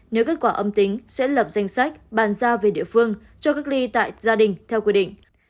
nếu kết quả âm tính sẽ lập danh sách bàn ra về địa phương cho cách ly tại gia đình theo quy định